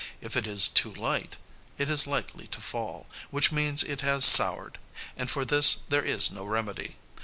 If it is too light, it is likely to fall, which means it has soured, and for this there is no remedy.